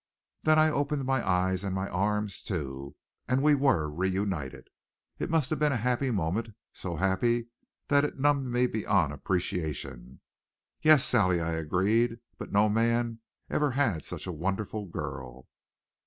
Then I opened my eyes and my arms, too, and we were reunited. It must have been a happy moment, so happy that it numbed me beyond appreciation. "Yes, Sally," I agreed; "but no man ever had such a wonderful girl."